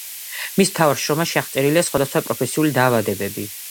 მის მთავარ შრომაში აღწერილია სხვადასხვა პროფესიული დაავადებები.